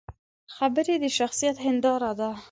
خبرې د شخصیت هنداره ده